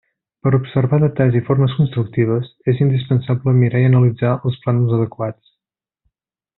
Per a observar detalls i formes constructives és indispensable mirar i analitzar els plànols adequats.